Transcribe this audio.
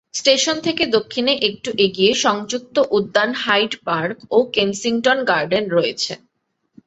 Station থেকে দক্ষিণে একটু এগিয়ে সংযুক্ত উদ্যান হাইড পার্ক ও কেনসিংটন গার্ডেন রয়েছে।